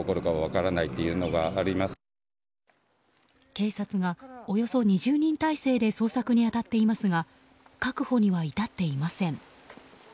警察がおよそ２０人態勢で捜索に当たっていますが確保には至っていません。